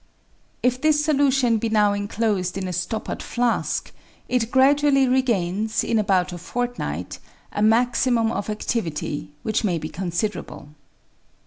If this solution be now enclosed in a stoppered flask, it gradually regains, in about a fortnight, a maximum of adtivity, which may be considerable.